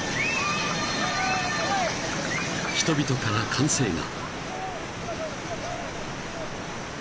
［人々から歓声が］